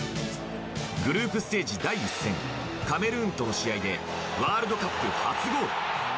グループステージ第１戦カメルーンとの試合でワールドカップ初ゴール。